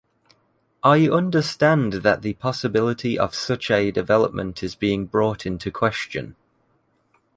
I understand that the possibility of such a development is being brought into question.